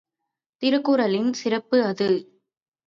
திருக்குறளின் சிறப்பு அது.